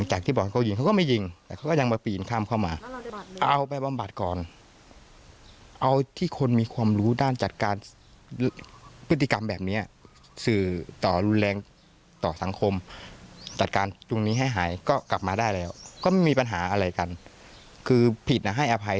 หายก็กลับมาได้แล้วก็ไม่มีปัญหาอะไรกันคือผิดนะให้อภัย